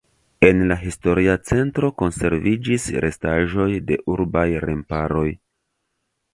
En la historia centro konserviĝis restaĵoj de urbaj remparoj.